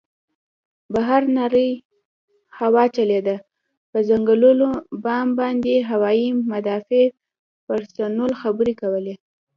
بهر نرۍ هوا چلېده، پر څنګلوري بام باندې هوايي مدافع پرسونل خبرې کولې.